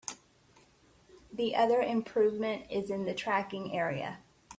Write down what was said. The other improvement is in the tracking area.